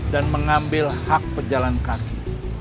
dan mengambil hak pejalan kaki